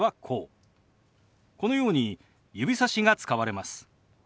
このように指さしが使われます。